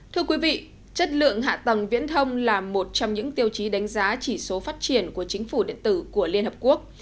thưa quý vị chất lượng hạ tầng viễn thông là một trong những tiêu chí đánh giá chỉ số phát triển của chính phủ điện tử